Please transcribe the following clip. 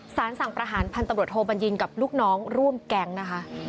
สารสั่งประหารพันตำรวจโทบัญญินกับลูกน้องร่วมแก๊งนะคะ